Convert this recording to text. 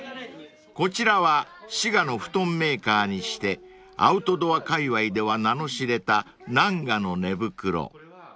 ［こちらは滋賀の布団メーカーにしてアウトドアかいわいでは名の知れたナンガの寝袋］